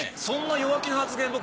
そんな弱気な発言